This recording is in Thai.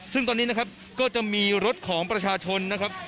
ซึ่งตอนนี้นะครับก็จะมีรถของประชาชนนะครับ